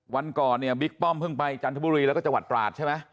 วันก่อนเนี่ยบิ๊กป้อมเพิ่งไปจันทบุรีแล้วก็จังหวัดตราดใช่ไหม